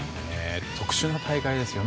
特殊な大会ですよね。